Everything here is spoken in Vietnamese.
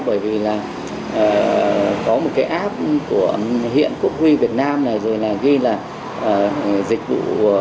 bởi vì là có một cái app của hiện của huy việt nam này rồi là ghi là dịch vụ